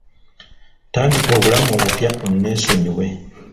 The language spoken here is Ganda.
Tandika obulamu obupya oneesonyiwe.